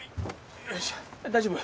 よいしょっ大丈夫？